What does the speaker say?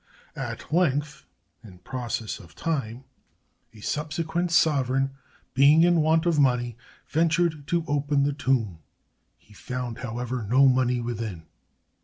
At length, in process of time, a subsequent sovereign, being in want of money, ventured to open the tomb. He found, however, no money within.